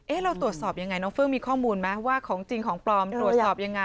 เราตรวจสอบยังไงน้องเฟื้องมีข้อมูลไหมว่าของจริงของปลอมตรวจสอบยังไง